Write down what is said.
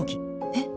えっ！